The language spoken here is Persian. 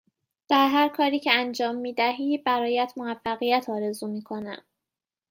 در هرکاری که انجام می دهی برایت موفقیت آرزو می کنم.